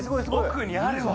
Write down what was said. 奥にあるわ。